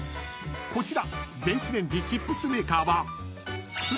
こちら］